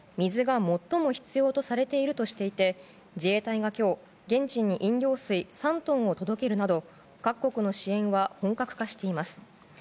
水が最も必要とされているとしていて自衛隊が今日現地に飲料水３トンを届けるなど各国の支援は本格化しています。